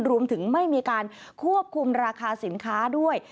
รวมถึงไม่มีการควบคุมราคาสินค้าด้วย